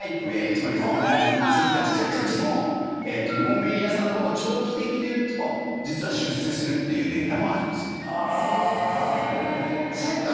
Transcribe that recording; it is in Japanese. つまりせっかちな人よりものんびり屋さんの方が長期的にいうと実は出世するっていうデータもあるんですよね。